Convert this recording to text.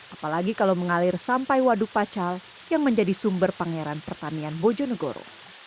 apalagi kalau mengalir sampai waduk pacal yang menjadi sumber pangeran pertanian bojonegoro